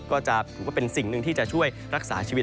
ก็จะถือว่าเป็นสิ่งหนึ่งที่จะช่วยรักษาชีวิต